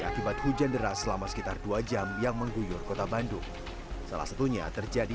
akibat hujan deras selama sekitar dua jam yang mengguyur kota bandung salah satunya terjadi